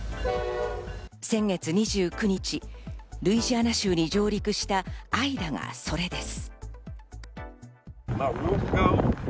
先月２９日、ルイジアナ州に上陸したアイダがそれです。